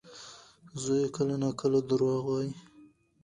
زوی یې کله ناکله دروغ وايي.